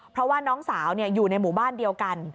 เพราะว่าน้องสาวอยู่ในหมู่บ้านเดียวกัน